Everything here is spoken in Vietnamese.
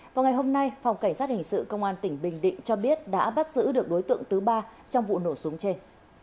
vào ngày hôm nay phòng cảnh sát hình sự công an tỉnh bình định cho biết đã bắt giữ được đối tượng thứ ba trong vụ nổ súng trên